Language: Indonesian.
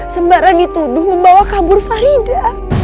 sembarang dituduh membawa kabur farida